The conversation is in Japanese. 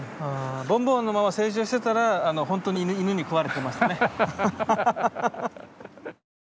ボンボンのまま成長してたらほんとに犬に食われてましたね。